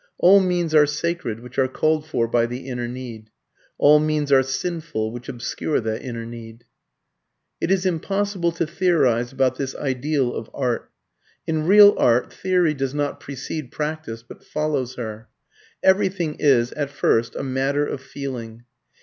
All means are sacred which are called for by the inner need. All means are sinful which obscure that inner need. It is impossible to theorize about this ideal of art. In real art theory does not precede practice, but follows her. Everything is, at first, a matter of feeling.